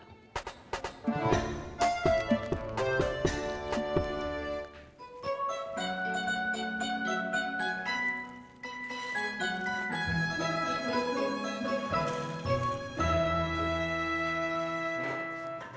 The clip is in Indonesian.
apa yang ada cuy